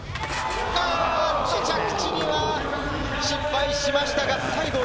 着地には失敗しましたが、最後。